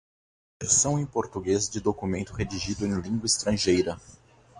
versão em português de documento redigido em língua estrangeira